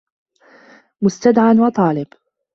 مُسْتَدْعًى وَطَالِبٌ